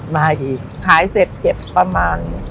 มาอีกขายเสร็จเก็บประมาณตี๑อ่ะ